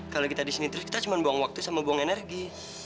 kalau kita di sini terus kita cuma buang waktu sama buang energi